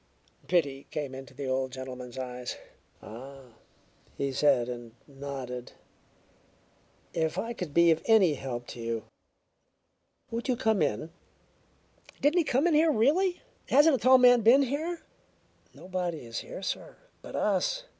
Pity came into the old gentleman's eyes. "Ah," he said, and nodded. "If I could be of any help to you Would you come in?" "Didn't he come in here, really? Hasn't a tall man been here?" "Nobody is here, sir, but us.